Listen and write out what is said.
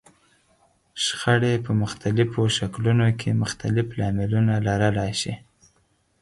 شخړې په مختلفو شکلونو کې مختلف لاملونه لرلای شي.